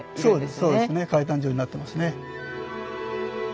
そうですそうですね階段状になってますね。